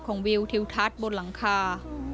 วิวทิวทัศน์บนหลังคา